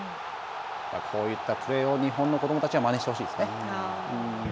こういったプレーを日本の子どもたちはまねしてほしいですね。